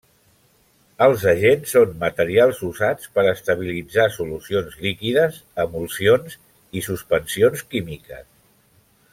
Els agents són materials usats per estabilitzar solucions líquides, emulsions, i suspensions químiques.